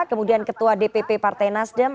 kemudian ketua dpp partai nasdem